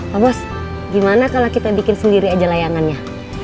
pak bos gimana kalau kita bikin sendiri aja layangannya